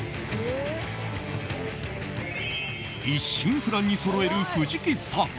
一心不乱にそろえる藤木さん。